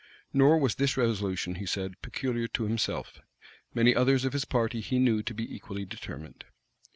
Nor was this resolution, he said, peculiar to himself: many others of his party he knew to be equally determined.